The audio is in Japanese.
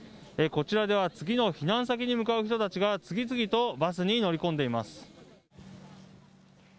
こちらでは、次の避難先に向かう人たちが、次々とバスに乗り込んでいます。